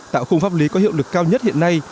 tạo khung pháp lý có hiệu lực cao nhất hiện nay